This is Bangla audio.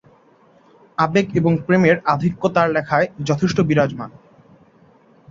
আবেগ এবং প্রেমের আধিক্য তার লেখায় যথেষ্ট বিরাজমান।